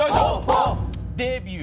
デビュー。